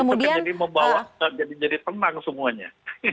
sampai jadi membawa jadi tenang semuanya